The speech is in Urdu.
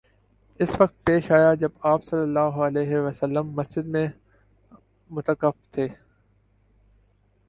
اس وقت پیش آیا جب آپ صلی اللہ علیہ وسلم مسجد میں معتکف تھے